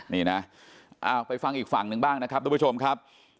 นี่นะไปฟังอีกฝั่งหนึ่งบ้างนะครับทุกผู้ชมครับ